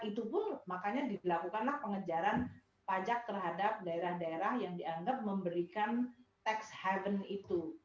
itu pun makanya dilakukanlah pengejaran pajak terhadap daerah daerah yang dianggap memberikan tax haven itu